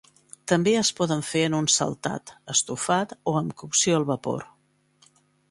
També es poden fer en un saltat, estofat, o amb cocció al vapor.